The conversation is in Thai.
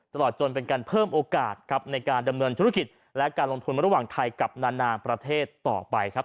ตลอดจนเป็นการเพิ่มโอกาสครับในการดำเนินธุรกิจและการลงทุนระหว่างไทยกับนานาประเทศต่อไปครับ